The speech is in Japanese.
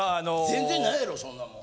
全然ないやろそんなもん。